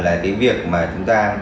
là cái việc mà chúng ta